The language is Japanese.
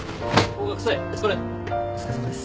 お疲れさまです。